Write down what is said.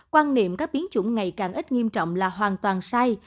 quan niệm các biến chủng ngày càng ít nghiêm trọng là hoàn toàn sai